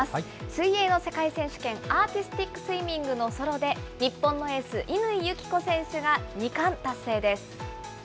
水泳の世界選手権、アーティスティックスイミングのソロで、日本のエース、乾友紀子選手が２冠達成です。